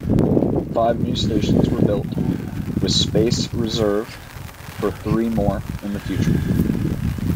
Five new stations were built, with space reserved for three more in the future.